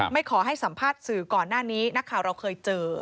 ไม่ขอให้สัมภาษณ์สื่อก่อนหน้านี้นักข่าวเราเคยเจอ